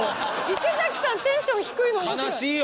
池崎さんテンション低いのおもしろい。